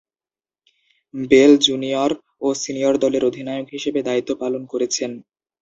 Bell junior ও senior দলের অধিনায়ক হিসেবে দায়িত্ব পালন করেছেন।